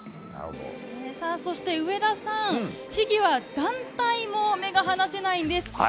そして上田さんフィギュア団体も目が離せないんです。